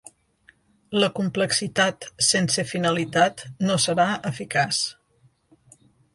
La complexitat sense finalitat no serà eficaç.